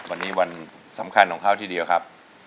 วันนี้วันสำคัญของเขาทีเดียวครับ